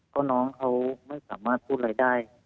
ก็น้องเขาไม่สามารถพูดอะไรได้